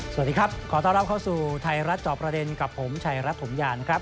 สวัสดีครับขอต้อนรับเข้าสู่ไทยรัฐจอบประเด็นกับผมชัยรัฐถมยานครับ